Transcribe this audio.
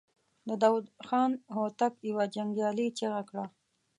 د داوود خان هوتک يوه جنګيالې چيغه کړه.